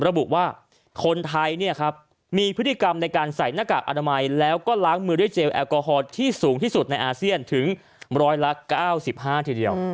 ระบุว่าคนไทยมีพฤติกรรมในการใส่หน้ากากอนามัยแล้วก็ล้างมือด้วยเจลแอลกอฮอล์ที่สูงที่สุดในอาเซียนถึงร้อยละ๙๕ทีเดียว